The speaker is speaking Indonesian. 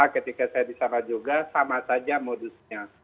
ketika saya di sana juga sama saja modusnya